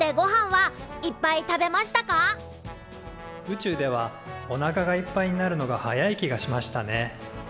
宇宙ではおなかがいっぱいになるのが早い気がしましたね。